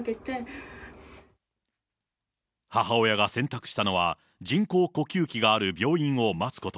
母親が選択したのは、人工呼吸器がある病院を待つこと。